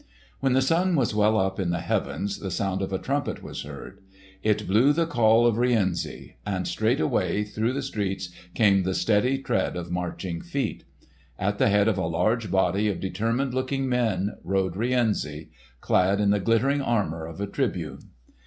When the sun was well up in the heavens the sound of a trumpet was heard. It blew the call of Rienzi; and straightway through the streets came the steady tread of marching feet. At the head of a large body of determined looking men rode Rienzi, clad in the glittering armour of a Tribune.